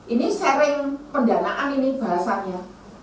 ini sharing pendanaan ini bahasanya